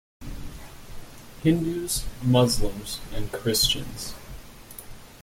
Hindus, Muslims and Christians.